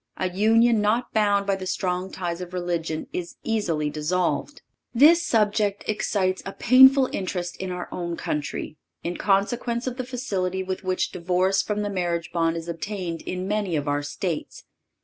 A union not bound by the strong ties of religion is easily dissolved. This subject excites a painful interest in our own country, in consequence of the facility with which divorce from the marriage bond is obtained in many of our States.